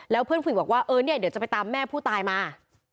แล้วเพื่อนผู้หญิงบอกว่าเออเนี่ยเดี๋ยวจะไปตามแม่ผู้ตายมา